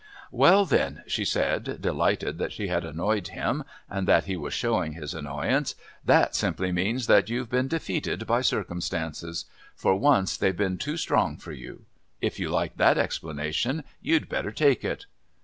"Well, then," she said, delighted that she had annoyed him and that he was showing his annoyance, "that simply means that you've been defeated by circumstances. For once they've been too strong for you. If you like that explanation you'd better take it."